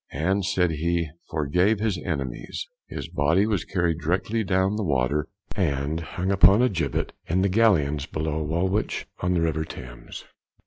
and said he forgave his enemies. His body was carried directly down the water and hung upon a gibbet in the gallions below Woolwich, on the river Thames.